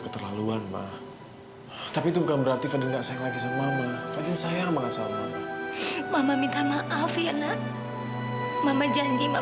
terlebih dahulu kepada saya